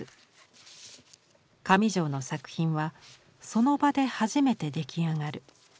上條の作品はその場で初めて出来上がる。